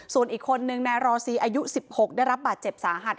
ส่วนอีกคนนึงนายรอซีอายุ๑๖ได้รับบาดเจ็บสาหัส